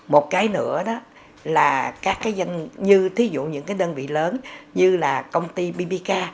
một cái nữa đó là các cái danh như thí dụ những cái đơn vị lớn như là công ty bbk